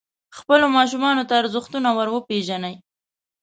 خپلو ماشومانو ته ارزښتونه وروپېژنئ.